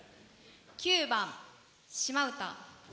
９番「島唄」。